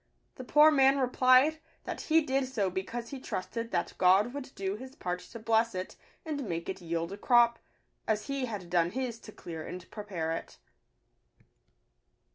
The poor man replied, that he did so because he trusted that God would do His part to bless it and make it yield a crop, as he had done his to clear and prepare it.